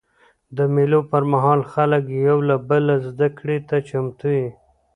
د مېلو پر مهال خلک یو له بله زدهکړې ته چمتو يي.